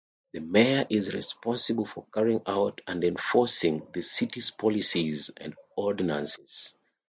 The Mayor is responsible for carrying out and enforcing the city's policies and ordinances.